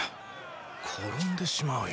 転んでしまうよ。